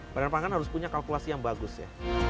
badan pangan harus punya kalkulasi yang bagus ya